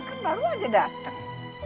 kan baru aja datang